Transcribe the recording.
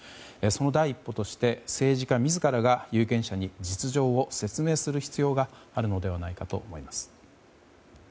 その第一歩として政治家自らが有権者に実情を説明する必要があるのではないかと思います。